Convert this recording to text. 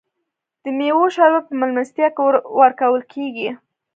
د میوو شربت په میلمستیا کې ورکول کیږي.